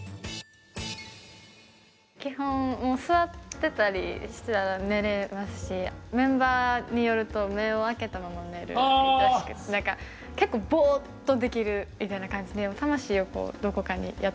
基本もう座ってたりしたら寝れますしメンバーによると目を開けたまま寝るらしく何か結構ボーッとできるみたいな感じで魂をこうどこかにやっていっているみたいなのはあります。